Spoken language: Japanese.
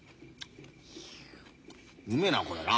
うめえなこれな。